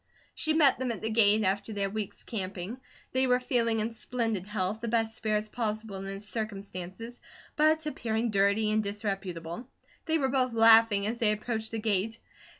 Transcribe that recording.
She met them at the gate, after their week's camping. They were feeling in splendid health, the best spirits possible in the circumstances, but appearing dirty and disreputable. They were both laughing as they approached the gate.